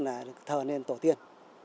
và thờ nên tổ tiên